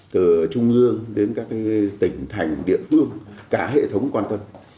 từ trung ương đến các tỉnh thành địa phương cả hệ thống quan tâm